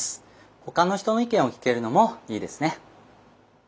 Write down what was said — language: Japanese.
他の人の意見を聞けるのもいいですね。